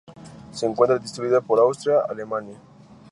Se encuentra distribuida por Austria, Alemania.